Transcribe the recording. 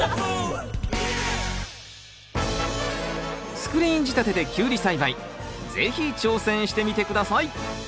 スクリーン仕立てでキュウリ栽培是非挑戦してみて下さい！